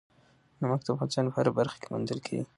نمک د افغانستان په هره برخه کې موندل کېږي.